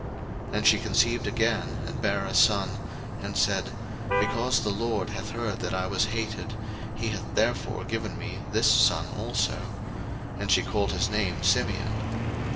01:029:033 And she conceived again, and bare a son; and said, Because the LORD hath heard I was hated, he hath therefore given me this son also: and she called his name Simeon.